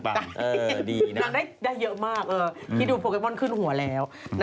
นางได้เยอะมากคิดดูโปเกมอนขึ้นหัวแล้ว